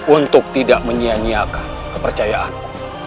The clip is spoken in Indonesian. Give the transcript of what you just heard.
untuk tidak menyianyiakan kepercayaanku